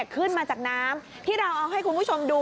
ขึ้นมาจากน้ำที่เราเอาให้คุณผู้ชมดู